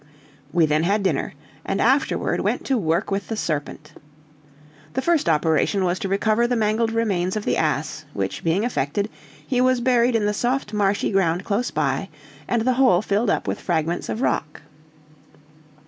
We then had dinner, and afterward went to work with the serpent. The first operation was to recover the mangled remains of the ass, which being effected, he was buried in the soft marshy ground close by, and the hole filled up with fragments of rock.